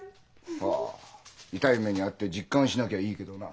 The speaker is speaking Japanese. ほう痛い目に遭って実感しなきゃいいけどな。